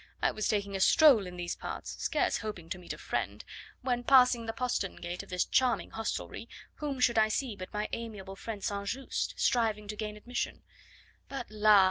"I was taking a stroll in these parts, scarce hoping to meet a friend, when, passing the postern gate of this charming hostelry, whom should I see but my amiable friend St. Just striving to gain admission. But, la!